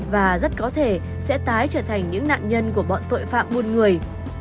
và rất có thể sẽ tái trở thành những nạn nhân của bọn tội phạm buôn người